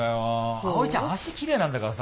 あおいちゃん脚きれいなんだからさ